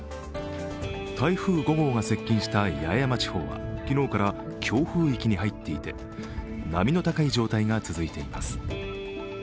台風５号が接近した八重山地方は昨日から強風域に入っていて波の高い状態が続いています。